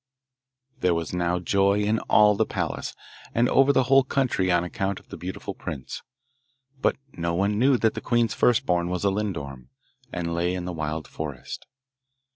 There was now joy in all the palace and over the whole country on account of the beautiful prince; but no one knew that the queen's first born was a lindorm, and lay in the wild forest.